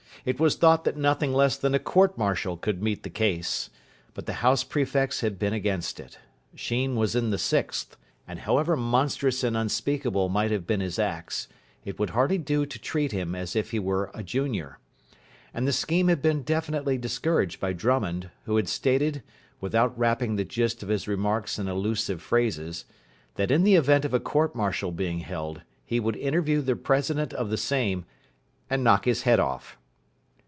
It was thought that nothing less than a court martial could meet the case. But the house prefects had been against it. Sheen was in the sixth, and, however monstrous and unspeakable might have been his acts, it would hardly do to treat him as if he were a junior. And the scheme had been definitely discouraged by Drummond, who had stated, without wrapping the gist of his remarks in elusive phrases, that in the event of a court martial being held he would interview the president of the same and knock his head off.